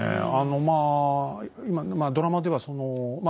まあドラマではそのまあ